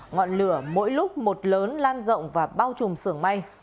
ngọn lửa mỗi lúc một lớn lan rộng và bao trùm sưởng mây